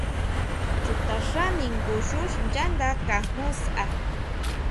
Chutaxá ningun xú sinyánda kanjó saá.